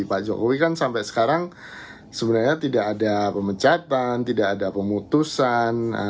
pak jokowi kan sampai sekarang sebenarnya tidak ada pemecatan tidak ada pemutusan